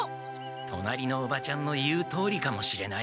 隣のおばちゃんの言うとおりかもしれない。